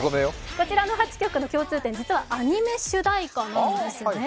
こちらの８曲の共通点、実はアニメ主題歌なんですね。